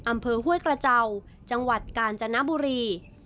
อำเภอห้วยกระเจ้าจังหวัดกาญจนบุรี